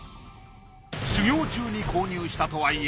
修行中に購入したとはいえ